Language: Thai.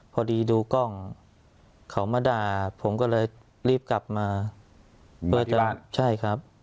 พอดีดูกล้องเขามาด่าผมก็เลยรีบกลับมา